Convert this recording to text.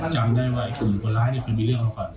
จำได้ว่าขุมคนร้ายเนี่ยเคยมีเรื่องเป็นไหนก่อน